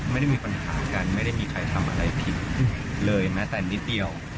ไม่ได้มีปัญหากันไม่ได้มีใครทำอะไรผิดเลยแม้แต่นิดเดียว